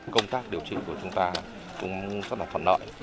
công tác điều trị của chúng ta cũng rất là thuận lợi